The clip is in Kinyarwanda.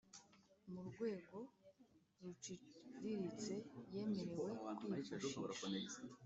Mu rwego ruciriritse yemerewe kwifashisha